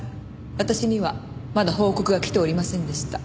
私にはまだ報告が来ておりませんでした。